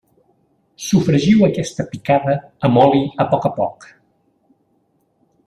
Sofregiu aquesta picada amb oli a poc a poc.